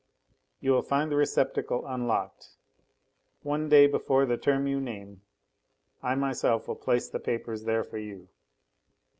You will find the receptacle unlocked. One day before the term you name I myself will place the papers there for you.